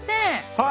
はい。